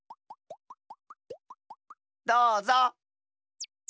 どうぞ。